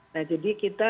nah jadi kita